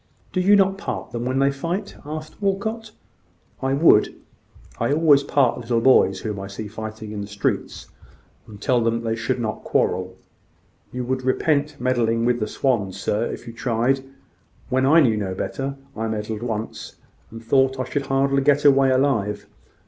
"Do you not part them when they fight?" asked Walcot. "I would. I always part little boys whom I see fighting in the streets, and tell them they should not quarrel." "You would repent meddling with the swans, sir, if you tried. When I knew no better, I meddled once, and I thought I should hardly get away alive.